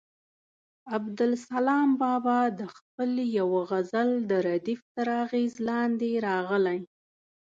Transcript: عبدالسلام بابا د خپل یوه غزل د ردیف تر اغېز لاندې راغلی.